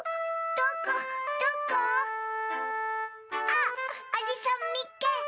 どこ？あっアリさんみっけ！